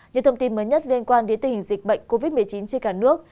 những thông tin mới nhất liên quan đến tình hình dịch bệnh covid một mươi chín trên cả nước